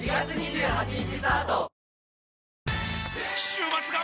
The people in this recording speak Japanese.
週末が！！